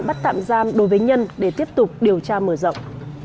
bắt tạm giam đối với nhân để tiếp tục điều tra mở rộng